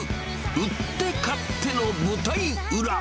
売って買っての舞台裏